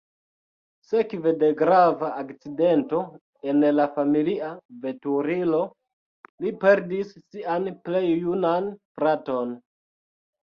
Sekve de grava akcidento en la familia veturilo, li perdis sian plej junan fraton.